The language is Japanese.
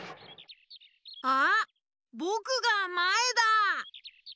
あっぼくがまえだ！